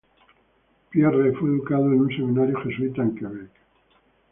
Pierre fue educado en un seminario jesuita en Quebec.